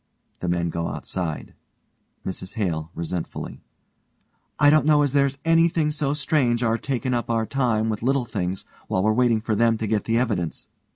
(The men go outside.) MRS HALE: (resentfully) I don't know as there's anything so strange, our takin' up our time with little things while we're waiting for them to get the evidence.